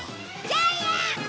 ジャイアン！